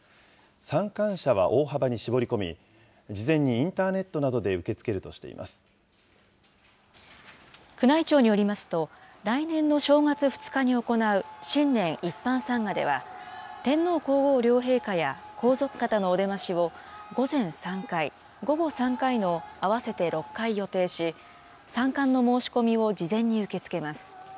参観者は大幅に絞り込み、事前にインターネットなどで受け付ける宮内庁によりますと、来年の正月２日に行う新年一般参賀では、天皇皇后両陛下や皇族方のお出ましを午前３回、午後３回の合わせて６回予定し、参観の申し込みを事前に受け付けます。